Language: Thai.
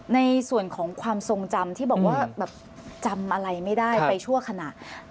ในส่วนของความทรงจำที่บอกว่าแบบจำอะไรไม่ได้ไปชั่วขณะ